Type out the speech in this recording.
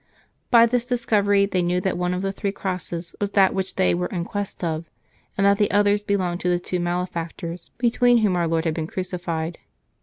By this discovery they knew that one of the three crosses was that which they were in quest of, and that the others belonged to the two malefactors between whom Our Saviour had been crucified.